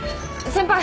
先輩。